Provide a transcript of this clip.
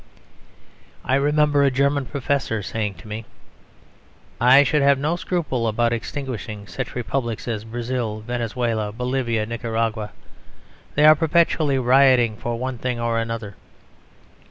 I remember a German professor saying to me, "I should have no scruple about extinguishing such republics as Brazil, Venezuela, Bolivia, Nicaragua; they are perpetually rioting for one thing or another."